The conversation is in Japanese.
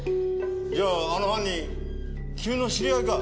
じゃああの犯人君の知り合いか。